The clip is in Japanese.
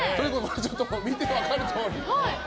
見て分かるとおり